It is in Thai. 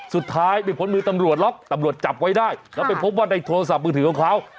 สุดท้ายไม่พ้นมือตำรวจหรอกตำรวจจับไว้ได้แล้วไปพบว่าในโทรศัพท์มือถือของเขา